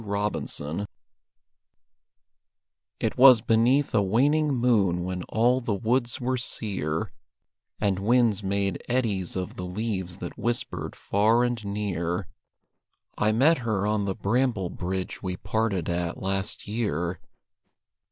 REVISITED It was beneath a waning moon when all the woods were sear, And winds made eddies of the leaves that whispered far and near, I met her on the bramble bridge we parted at last year.